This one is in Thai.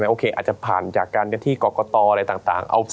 โอเคอาจจะผ่านจากการที่กรกตอะไรต่าง